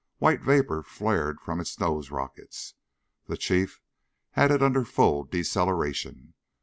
White vapor flared from its nose rockets. The Chief had it under full deceleration.